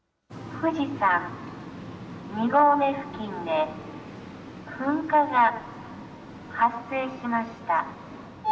富士山２合目付近で噴火が発生しました。